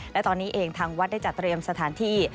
และตอนนี้เองทางวัดได้จัดเตรียมสถานที่